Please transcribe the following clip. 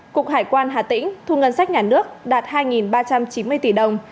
cục hải quan hà tĩnh thu ngân sách nhà nước đạt hai triệu đồng